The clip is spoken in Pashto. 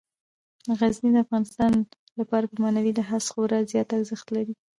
غزني د افغانانو لپاره په معنوي لحاظ خورا زیات ارزښت لري.